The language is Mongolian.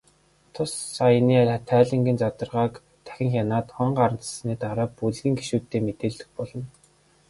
Тус аяны тайлангийн задаргааг дахин хянаад, он гарсны дараа бүлгийн гишүүддээ мэдээлэх болно.